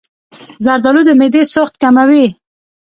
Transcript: زردآلو د معدې سوخت کموي.